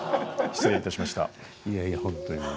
失礼いたしました。